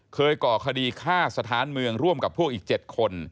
ก่อคดีฆ่าสถานเมืองร่วมกับพวกอีก๗คน